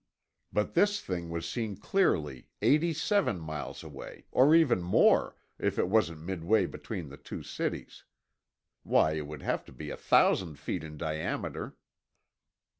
"But this thing was seen clearly eighty seven miles away—or even more, if it wasn't midway between the two cities. Why, it would have to be a thousand feet in diameter."